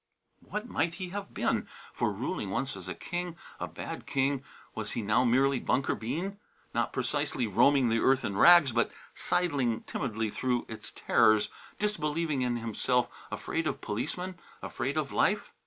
What might he have been? For ruling once as a king, a bad king, was he now merely Bunker Bean, not precisely roaming the earth in rags, but sidling timidly through its terrors, disbelieving in himself, afraid of policemen, afraid of life?